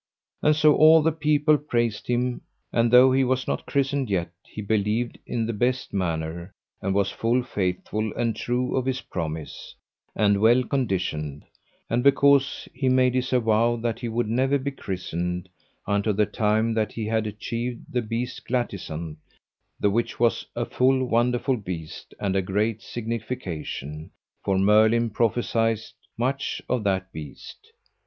And so all the people praised him; and though he was not christened yet he believed in the best manner, and was full faithful and true of his promise, and well conditioned; and because he made his avow that he would never be christened unto the time that he had achieved the beast Glatisant, the which was a full wonderful beast, and a great signification; for Merlin prophesied much of that beast.